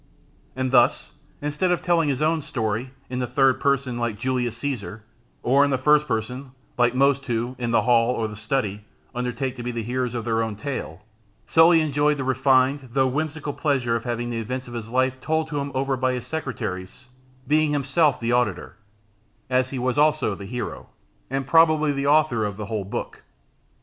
_ And thus, instead of telling his own story, in the third person, like Julius Caesar, or in the first person, like most who, in the hall, or the study, undertake to be the heroes of their own tale, Sully enjoyed the refined, though whimsical pleasure, of having the events of his life told over to him by his secretaries, being himself the auditor, as he was also the hero, and probably the author, of the whole book.